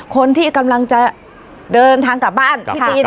คนที่กำลังจะเดินทางกลับบ้าน